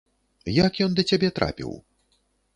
Як ён да цябе трапіў?